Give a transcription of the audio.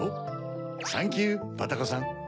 サンキューバタコさん。